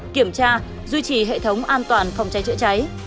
kiểm tra duy trì hệ thống an toàn phòng cháy chữa cháy